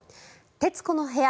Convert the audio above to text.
「徹子の部屋」